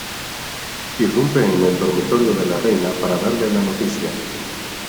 Irrumpe en el dormitorio de la reina para darle la noticia.